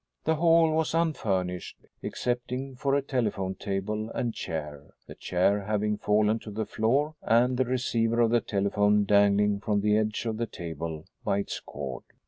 The hall was unfurnished, excepting for a telephone table and chair, the chair having fallen to the floor and the receiver of the telephone dangling from the edge of the table by its cord.